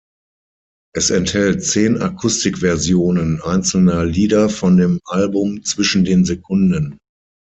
Es enthält zehn Akustik Versionen einzelner Lieder von dem Album "Zwischen den Sekunden".